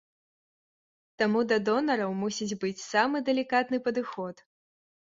Таму да донараў мусіць быць самы далікатны падыход.